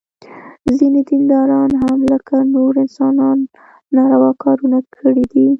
ځینې دینداران هم لکه نور انسانان ناروا کارونه کړي دي.